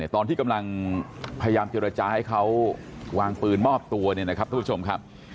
ตอนที่กำลังพยายามเจรจาให้เขาวางปืนมอบตัวเนี่ยนะครับทุกผู้ชมครับ